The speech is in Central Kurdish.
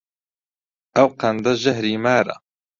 ئەو قەندە ژەهری مارە